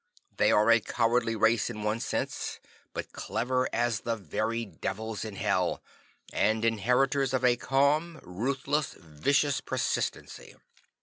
They are a cowardly race in one sense, but clever as the very Devils in Hell, and inheritors of a calm, ruthless, vicious persistency."